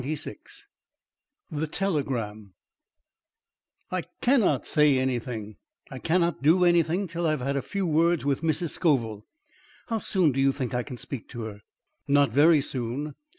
XXVI THE TELEGRAM "I CANNOT say anything, I cannot do anything till I have had a few words with Mrs. Scoville. How soon do you think I can speak to her?" "Not very soon.